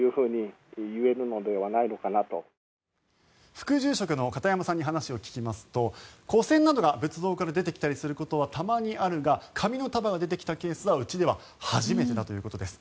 副住職の片山さんに話を聞きますと古銭などが仏像から出てきたりすることはたまにあるが紙の束が出てきたケースはうちでは初めてだということです。